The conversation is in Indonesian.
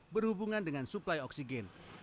berhubungan dengan suplai oksigen